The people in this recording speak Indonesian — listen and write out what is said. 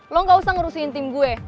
lo gak usah ngurusin tim gue